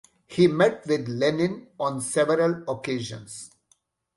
He met with Lenin on several occasions.